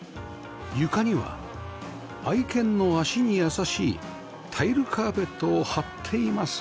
床には愛犬の脚に優しいタイルカーペットを張っています